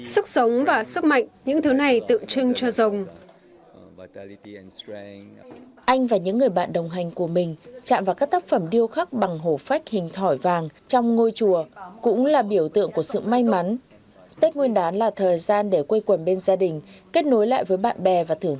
sức sống và sức mạnh những thứ này tự trưng cho rồng